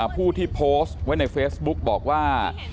ผู้ที่โพสต์ไว้ในเฟซบุ๊กบอกว่า